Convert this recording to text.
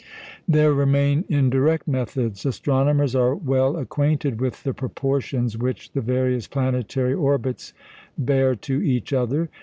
There remain indirect methods. Astronomers are well acquainted with the proportions which the various planetary orbits bear to each other.